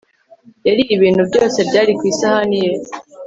Yariye ibintu byose byari ku isahani ye